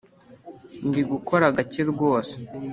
Ndi gukora gake rwose